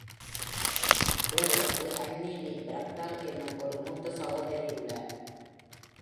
இவருக்கு Annie V. Bruckner என்னும் ஒரு மூத்த சகோதரி உள்ளார்.